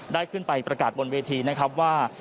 ได้ขึ้นไปประกาศบนเวทีนะครับว่า